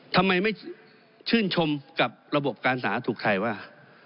ทำไมไม่ชื่นชมกับระบบการสาธารณสุขไทยว่า